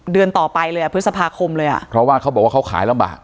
เดือนต่อไปเลยอ่ะพฤษภาคมเลยอ่ะเพราะว่าเขาบอกว่าเขาขายลำบาก